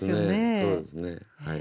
そうですね。